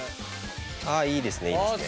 あいいですねいいですね。